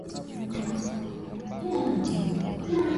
Msongamano wa wanyama